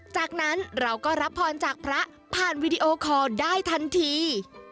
จากนั้นเราก็รับพรจากพระผ่านวีดีโอคอลได้ทันที